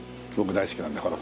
僕大好きなんだ。